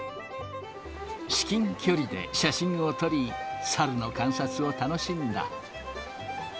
至近距離で写真を撮り、猿の観察を楽しんだ。